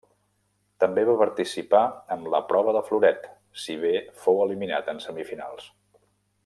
També va participar en la prova de floret, si bé fou eliminat en semifinals.